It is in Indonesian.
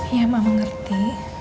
ya ma mengerti